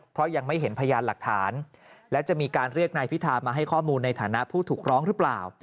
เพราะยังไม่เห็นพยานหลักฐานและจะมีการเรียกนายพิธามาให้ข้อมูลในฐานะผู้ถูกร้องหรือเปล่า